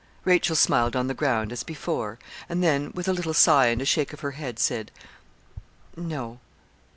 Rachel smiled on the ground, as before; and then, with a little sigh and a shake of her head, said 'No.'